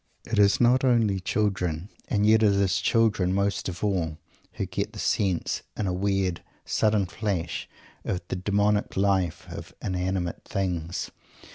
It is not only children and yet it is children most of all who get the sense, in a weird, sudden flash, of the demonic life of inanimate things.